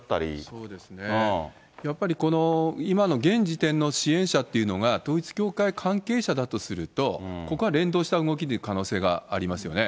やっぱり、今の現時点の支援者っていうのが統一教会関係者だとすると、ここは連動した動きでいく可能性がありますよね。